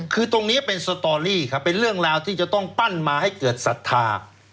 คือตรงนี้เป็นสตอรี่ครับเป็นเรื่องราวที่จะต้องปั้นมาให้เกิดศรัทธา